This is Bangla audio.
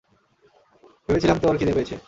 ভেবেছিলাম তোর খিদে পেয়েছে।